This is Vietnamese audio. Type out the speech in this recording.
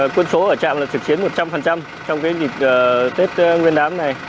quân số ở trạm là thực chiến một trăm linh trong cái dịch tết nguyên đám này